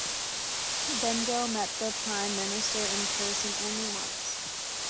Bengough met the prime minister in person only once.